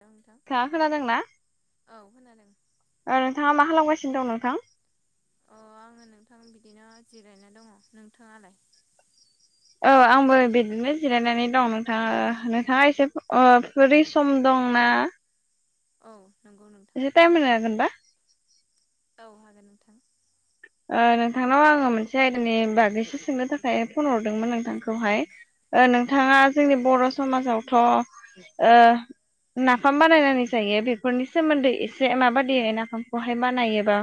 हेल' नोंथां नोंथाङा खोनादोंना औ खोनादों ओ नोंथाङा मा खालामगासिनो गासिनो दं नोंथां अ आङो नोंथां बिदिनो जिरायना दङ नोंथाङालाय औ आंबो बिदिनो जिरायनानै दं नोंथाङा नोंथाङा एसे ओ फिरि सम दं ना औ नंगौ नोंथां एसे टाइम होनो हागोनबा औ हागोन नोंथां ओ नोंथांनाव आङो मोनसे आयदानि बागैसो सोंनो थाखाय फन हरदोंमोन नोंथांखौहाय ओ नोंथाङा जोंनि औ बर' समाजावथ' ओ नाफाम बानायनानै जायो बेफोरनि सोमोन्दै एसे माबादि नाफामखौहाय बानायोबा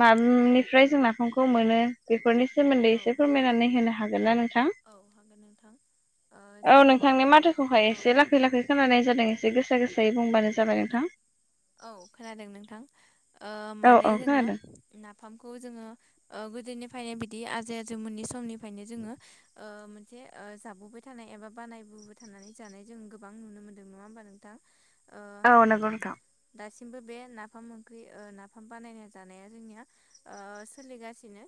माबानिफ्राय जों नाफामखौ मोनो बेफोरनि सोमोन्दै औ एसे फोरमायनानै होनो हागोन ना नोंथां औ हागोन नोंथां ओ औ जोङो नोंथांनि नाफामखौ माथोखौहाय औ एसे लाखै लाखै खोनानाय जादों एसे गोसा गोसायै बुंबानो जाबाय नोंथां औ खोनादों ओ नोंथां औ माने औ जोङो खोनादों नाफामखौ जोङो गोदोनिफ्रायनो बिदि आजै आजौ मोनै समनिफ्रायनो जोङो मोनसे ओ जाबोबाय थानाय एबा बानायबोबाय थानाय जानाय जों गोबां नुनो मोनदों नङा होमबा नोंथां ओ औ नंगौ नोंथां दासिमबो बे नाफाम ओंख्रि ओ नाफाम बानायना जानाया जोंनिया ओ सोलिगासिनो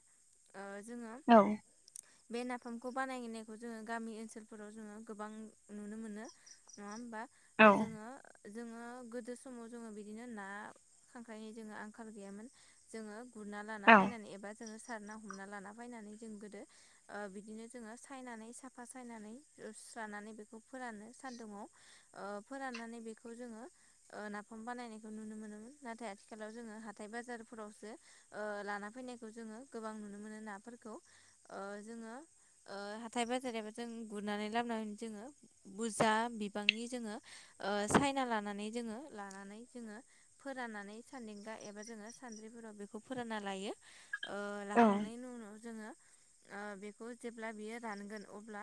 जोङो औ बे नाफामखौ बानायनायखौ जोङो गामि ओनसोलफोराव जोङो गोबां नुनो मोनो नङा होमबा औ जोङो जोङो गोदो समाव जोङो बिदिनो ना खांख्रायनि जोङो आंखाल गैयामोन जोङो गुरना लाना औ फैनानै एबा जोङो सारना हमना लाना फैनानै जों गोदो ओ बिदिनो जोङो सायनानै साफा सायनानै नानै बेखौ सान्दुुङाव फोराननानै बेखौ जोङो ओ नाफाम बानायनायखौ नुनो मोनोमोन नाथाय आथिखालाव जोङो हाथाय बाजारफोरावसो ओ लाना फैनायखौ जों गोबां नुनो मोनो नाफोरखौ ओ जोङो ओ हाथाय बाजार बा जों गुरनानै लाबोनानै जोङो बुरजा बिबांनि जोङो ओ साइना लानानै जोङो लानानै जोङो फोराननानै सानदेंगा एबा जोङो सानद्रिफोराव बेखौ फोरानना लायो ओ लाखांनायनि उनाव जोङो बेखौ जेब्ला बियो रानगोन अब्ला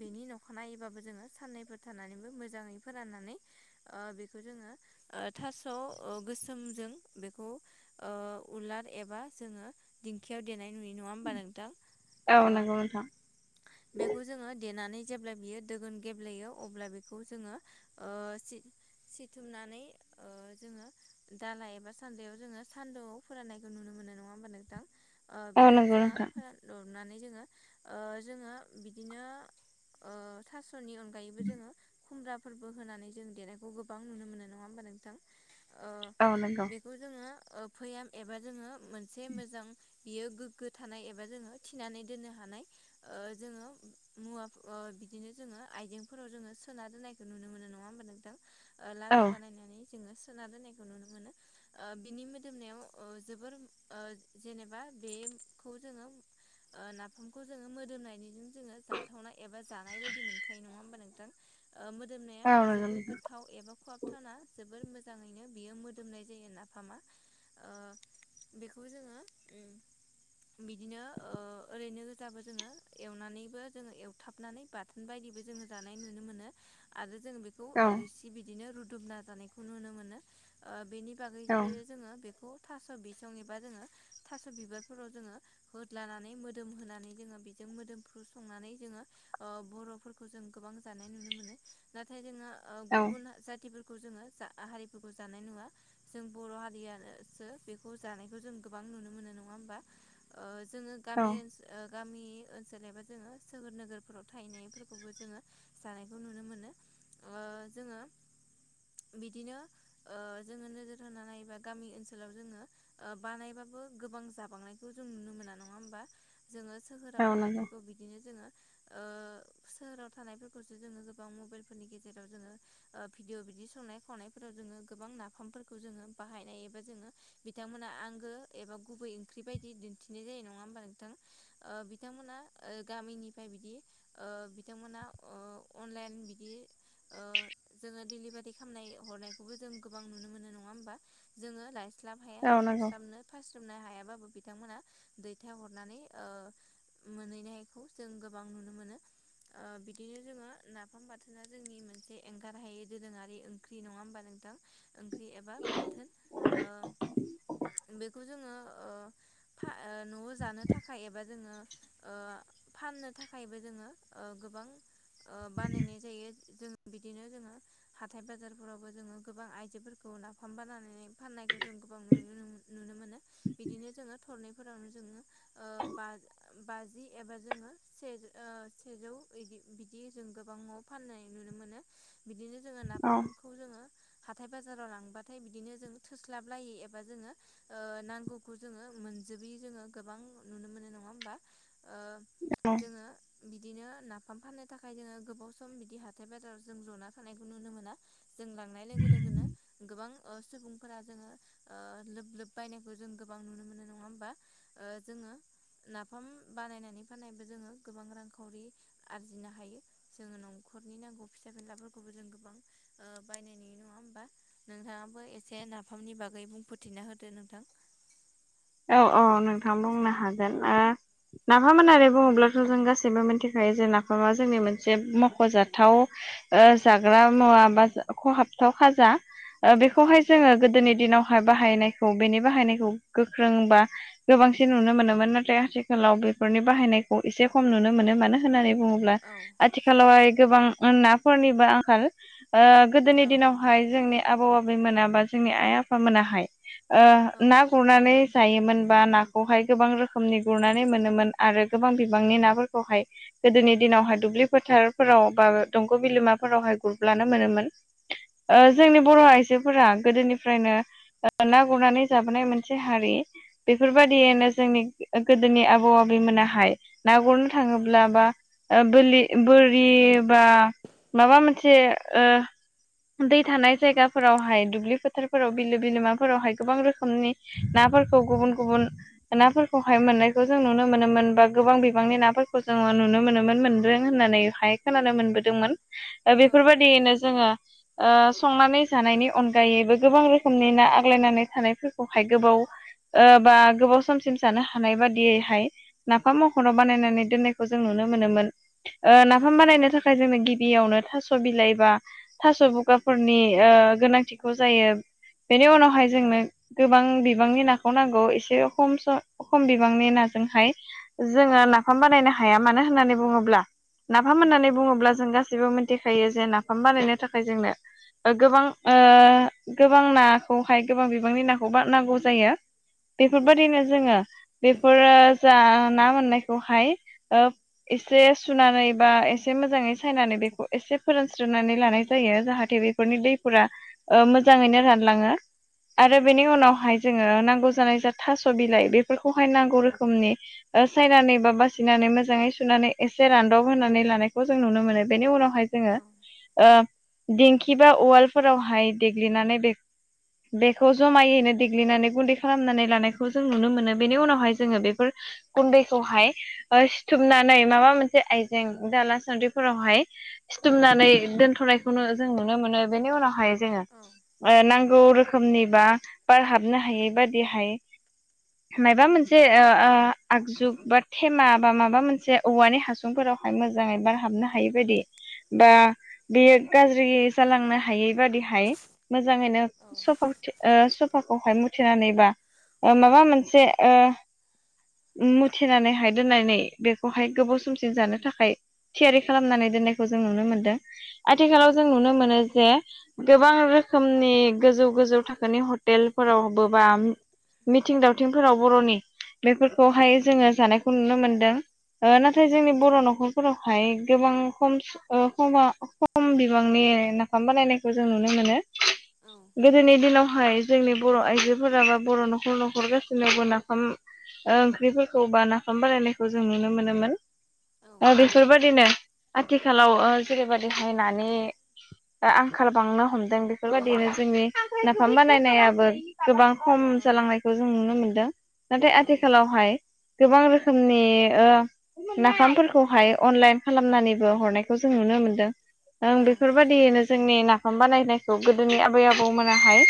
बेनि नखानायबाबो जोङो साननैफोर थानानैबो मोजाङै फोराननानै ओ बेखौ जोङो ओ थास' ओ गोसोमजों बेखौ ओ उलार एबा जोङो दिंखियाव देनाय नुयो नङा होमबा नों थां औ नंगौ नोंथां ओ‌ बेखौ जोङो देनानै जेब्ला बियो दोगोन गेब्लेयो अब्ला बेखौ जोङो ओ सि- सि सिथुमनानै ओ जोङो दाला एबा सानदायाव जोङो सान्दुङाव फोराननायखौ नुनो मोनो नङा ओमबा नोंथां ओ औ बिदिनो नंगौ जोङो नोंथां फोरान दबनानै जों ओ जोङो बिदिनो ओ थास'नि अनगायैबो जोङो खुमब्राफोरबो होनानै जों देनायखौ गोबां नुनो मोनो नङा ओमबा नोंथां ओ औ नंगौ बेखौ जोङो ओ भैयाम एबा जोङो मोनसे मोजां बियो गोग्गो थानाय एबा जोङो थिनानै दोननो हा नाय जोङो मुवा बिदिनो जोङो आइजेंफोराव जोङो सोना दोननायखौ नुनो मोनो नङा ओमबा नोंथां औ लारु बानायनानै जोङो सोना दोननायखौ नुनो मोनो ओ बिनि मोदोमनायाव ओ जोबोर ओ जेनेबा बेखौ जोङो ओ नाफामखौ जोङो मोदोमनायजों जोङो जाथावनाय एबा जानाय बायदि मोनखायो नङा ओमबा नोंथां ओ मोदोमनाया औ नंगौ जोबोर नोंथां गोथाव खुवाब थावना जोबोर मोजाङैनो बियो मोदोमनाय जायो नाफामा ओ बेखौ जोङो उम बिदिनो ओ ओरैनो गोजाबो जोङो एवनानैबो जोङो एवथाबनानै बाथोन बाय दिबो जोङो जानाय नुनो मोनो आरो जों बेखौ औ रिसि बिदिनो रुदुमना जानायखौ नुनो मोनो ओ बेनि बिनि औ बागैबो जोङो बेखौ थास' बिसं एबा जोङो थास' बिबारफोराव जोङो होदलानानै मोदोम होनानै जोङो बिजों मोदोमफ्रु संनानै जोङो ओ बर'फोरखौ जों गोबां जानाय नुनो मोनो नाथाय जोङो ओ औ गुबुन जाति फोरखौ जोङो जा हारिफोरखौ जानाय नुवा जों बर' हारियासो बेखौ जानायखौ जों गोबां नुनो मोनो नङा ओमबा ओ जोङो गामि औ ओ गामि ओनसोल एबा जोङो सोहोर नोगोरफोराव थाहैनायफोरखौबो जोङो जानायखौ नुनो मोनो ओ जोङो बिदिनो ओ जोङो नोजोर होनानै नायोबा गामि ओनसोलाव जोङो ओ बानायबा बो गोबां जाबांनायखौ जों नुनो मोना नङा ओमबा जोङो सोहोराव औ नंगौ थानायफोरखौ बिदिनो जोङो ओ सोहोराव थानायफोरखौसो जोङो गोबां मबेलफोरनि गेजेराव जोङो ओ भिदिअ बिदि संनाय खावनायफोराव जोङो गोबां नाफामफोरखौ जोङो बाहायनाय एबा जोङो बि थांमोना आंगो एबा गुबै ओंख्रि बायदि दिन्थिनाय जायो नङा ओमबा नोंथां ओ बिथांमोना गामिनिफ्राय बिदि ओ बिथांमोना अनलाइन बिदि ओ जोङो डिलिभारि खामनाय हरनायखौबो जों गोबां नुनो मोनो नङा ओमबा जोङो ला स्लाब हाया औ नंगौ थांस्लाबनो फायस्लाबनो हायाबाबो बिथांमोना दैथाय हरनानै ओ मोनहैनायखौ जों गोबां नुनो मोनो। ओ बिदिनो जोङो नाफाम बाथोना जोंनि मोनसे एंगारहै दोरोङारि ओंख्रि नङा ओमबा नोंथां ओंख्रि एबा बाथोन ओ बेखौ जोङो ओ फा ओ न'वाव जानो थाखाय एबा जोङो ओ फाननो थाखायबो जोङो ओ गोबां ओ बानायनाय जायो जों बिदिनो जोङो हाथाय बाजारफोरावबो जोङो गोबां आइजोफोरखौ नाफाम बानानै फाननायखौ जों नुनो मोनो बिदिनो जोङो थरनैफोरावनो जोङो ओ बा बा बाजि एबा जोङो से सेजौ इदि बिदि जों गोबाङाव फाननाय नुनो मो नो बिदिनो जोङो औ नाफामखौ जोङो हाथाय बाजाराव लांबाथाय बिदिनो जों थोस्लाबलायि एबा जोङो ओ नांगौखौ जोङो मोन जोबि जोङो गोबां नुनो मोनो नङा ओमबा ओ औ जोङो बिदिनो नाफाम फाननो थाखाय जोङो गोबाव सम बिदि हाथाय बाजाराव जों जना थानायखौ नुनो मोना जों लांनाय लोगो लोगोनो गोबां ओ सुबुंफोरा जोङो ओ लोब लोब बायनायखौ जों गोबां नुनो मोनो नङा ओमबा ओ जोङो नाफाम बानायनानै फाननायबो जोङो गोबां रांखावरि आरजिनो हायो जोङो न' खरनि नांगौ फिसा फिलाफोरखौबो जों गोबां बायनायनि नङा ओमबा नोंथाङा बो एसे नाफामनि बागै बुंफोरथिना होदो नोंथां औ औ नोंथां बुंनो हागोन ओ नाफाम होननानै बुङोब्लाथ' जों गासैबो मोनथिखा जा जोंनि मोनसे मख'जाथाव ओ जाग्रा मुवा बा खहाब खाजा औ बेखौहाय जोङो गोदोनि दिनावहाय बाहायनायखौ बेनि बाहायनायखौ गो फोरोंबा गोबांसिन नुनो मोनोमोन नाथाय आथिखालाव बेफोरनि बाहायनायखौ एसे खम नुनो मोनो मानो होननानै बुङोब्ला आथिखालावहाय गोबां नाफोरनिबो आंखाल ओ गोदोनि दिनावहाय जोंनि आबौ आबैमोना बा जोंनि आइ आफामोनाहाय ओ ना गुरनानै जायोमोन बा नाखौहाय गोबां रोखोमनि गुरनानै मोनोमोन आरो गोबां बिबांनि नाफोरखौहाय गोदोनि दिनावहाय दुब्लि फोथारफोराव बा दंग' बिलोमाफोरावहाय गुरब्लानो मोनोमोन। ओ जोंनि बर'आइजो आइजोफोरा गोदोनिफ्रायनो ना गुरनानै जाबोनाय मोनसे हारि बेफोरबायदियैनो जोंनि गोदोनि आबौ आबैमोनाहाय ना गुरनो थाङोब्ला बा बो बोरि बा माबा मोनसे ओ दै थानाय जायगाफोरावहाय दुब्लि फोथारफोराव बिलो बिलोमाफोरावहाय गोबां रोखोमनि नाफोरखौ खौ गुबुन गुबुन नाफोरखौहाय मोननायखौ जों नुनो मोनोमोन बा गोबां बिबांनि नाफोरखौ जोङो नु नुनो मोनोमोन मोनदों होननानैहाय खोनानो मोनबोदोंमोन बेफोरबायदियैनो जोङो ओ संनानै जानायनि अनगायैबो गोबां रोखोमनि ना आग्लायनानै थानायफोरखौहाय गोबाव ओ बा गोबाव समसिम जानो हानाय बादियैहाय नाफाम मखौनो बानायनानै दोननायखौ जों नुनो मोनोमोन। ओ नाफाम बानायनो थाखाय जोंनो गि बियावनो थास' बिलाइ बा थास' बुगाफोरनि ओ गोनांथिखौ जायो। बेनि उनावहाय जोंनो गोबां बिबांनि ना खौ नांगौ एसे खम बिबांनि नाजोंहाय जोङो नाफाम बानायनो हाया मानो होननानै बुङोब्ला नाफाम होननानै बुङोब्ला जों गासिबो मिथिखायो जे नाफाम बानायनो थाखाय जोंनो गोबां ओ गोबां नाखौहाय गोबां बिबांनि नाखौ बा नांगौ जायो। बेफोरबायदिनो जोङो बेफोरो जा ना मोननायखौहाय ओ एसे सुनानै बा एसे मोजाङै सायनानै बेखौ एसे फोरानस्रोनानै लानाय जायो जाहाथे बेफोरनि दैफोरा मोजां यैनो रानलाङो आरो बेनि उनावहाय जोङो नांगौ जानाय जा थास' बिलाइ बेफोरखौहाय नांगौ रोखोमनि सायनानै बा बासिनानै मोजाङै सुनानै एसे रानदब होनानै लानायखौ जों नुनो मोनो बेनि उनावहाय जोङो दिंखि बा उवालफोरावहाय देग्लिनानै बे बेखौ जमायैनो देग्लिनानै गुन्दै खालामनानै लानायखौ जों नुनो मोनो बेनि उनावहाय जोङो बेफोर गुन्दैखौहाय सिथुमनानै माबा मोनसे आइजें दाला सानद्रिफोरावहाय सिथुमनानै दोनथ'नायखौनो जों नुनो मोनो बेनि उनावहाय जोङो नांगौ रोखोमनि बा बार हाबनो हायै बा यदिहाय माबा मोनसे ओ आगजु बा थेमा बा माबा मोनसे औवानि हासुंफोराव हाय मोजाङै बार हाबनो हायै बायदि बा बेयो गाज्रि जालांनो हायै बादिहाय मोजाङैनो सफा सफाखौहाय मु थेनानै बा माबा मोनसे ओ मुथिनानैहाय दोननानै बेखौहाय गोबाव समसिम जानो थाखाय थियारि खालामनानै दोननायखौ जों नुनो मोनदों। आथिखालाव जों नुनो मोनो जे गोबां रोखोमनि गोजौ गोजौ थाखोनि हटेलफोरावबो बा मिथिं दावथिंफोराव बर'नि बेफोरखौहाय जोङो जानायखौ नुनो मोनदों। नाथाय जोंनि बर' न'खर फोरावहाय गोबां खम बिबांनि नाफाम बानायनायखौ जों नुनो मोनो। मोनो गोदोनि दिनावहाय जोंनि बर' आइजोफोरा बा बर' न'खर न'खर गासिनियावबो नाफाम ओंख्रिफोरखौ बा नाफाम बानायायनायखौ जों नुनो मोनोमोन। औ बेफोरबायदिनो आथिखालाव जेरै बायदिहाय नानि दा आंखाल बांनो हमदों। बेफोरबायदिनो औ जोंनि नाफाम बानायनायाबो गोबां खम जालांनायखौ जों नुनो मोनदों। नाथाय आथिखालावहाय गोबां रोखोमनि ओ नाफामफोरखौहाय अनलाइन खालामनानैबो हरनायखौ जों नुनो मोनदों। ओं बेफोरबायदिनो जोंनि ना बानायनाखौ गोदोनि आबै आबौ मोनाहाय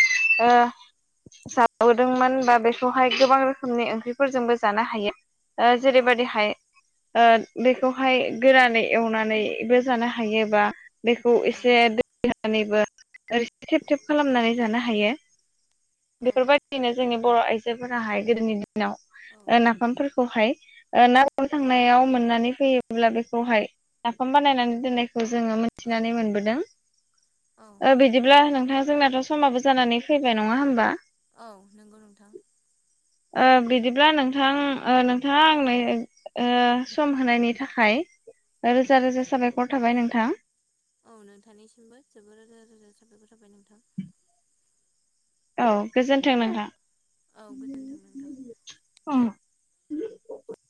जाब बोदोंमोन बा बेखौहाय गोबां रोखोमनि ओंख्रिफोरजोंबो जानो हायो। जेरैबायदिहाय बेखौहाय गोरानै एवनानैबो जानो हायोबा। बेखौ एसे दै होनानैबो ओरैसे थेब थेब खालामनानै जानो हायो। बेफोरबाय जोंनि बर' आइजोफोराहाय गोदोनि दिनाव नाफामफोरखौहाय ना गुरनो थांनायाव मोननानै फैयोब्ला बेखौहाय नाफाम बानायनानै दोननाय खौ जोङो मिथिनानै मोनबोदों। बिदिब्ला नोंथा जोंनाथ' समाबो जानानै फैबाय नङा होमबा? औ नंगौ नोंथां बिदिब्ला नोंथां नोंथाङा आंनो सम होनायनि थाखाय रोजा रोजा साबायखर थाबाय नोंथां। औ नोंथांनिसिमबो जोबोर रोजा रोजा साबायखर थाबाय नोंथां। औ गोजोन्थों नोंथां। औ गोजोन्थों नोंथां। बे [inaudible]